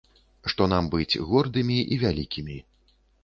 Што нам быць гордымі і вялікімі.